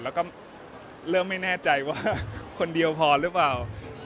แล้วก็เริ่มไม่แน่ใจว่าคนเดียวพอหรือเปล่า